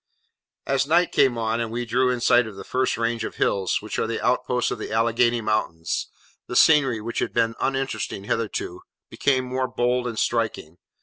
As night came on, and we drew in sight of the first range of hills, which are the outposts of the Alleghany Mountains, the scenery, which had been uninteresting hitherto, became more bold and striking.